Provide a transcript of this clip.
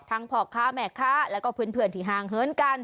พ่อค้าแม่ค้าแล้วก็เพื่อนที่ห่างเหินกัน